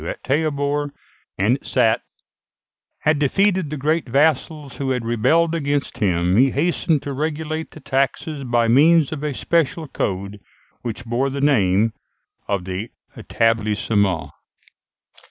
in 1242, at Taillebourg and at Saintes, had defeated the great vassals who had rebelled against him, he hastened to regulate the taxes by means of a special code which bore the name of the Établissements.